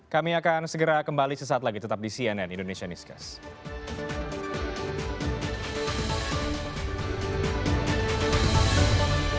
kami akan segera kembali sesaat lagi tetap di cnn indonesia newscast